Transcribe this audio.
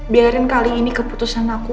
biarin kali ini keputusan aku